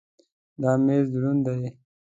دا مېز دروند دی.